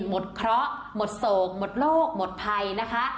หมดเคราะห์หมดโศกหมดโลกหมดภัยนะคะ